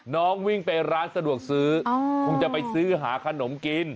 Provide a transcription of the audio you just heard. น้องวิ่งไปร้านสะดวกซื้อคงจะไปซื้อหาขนมกิน